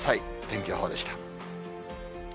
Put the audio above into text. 天気予報でした。